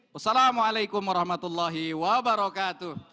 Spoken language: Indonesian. wassalamu'alaikum warahmatullahi wabarakatuh